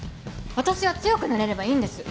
私は強くなれればいいんです。